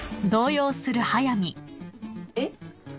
えっ？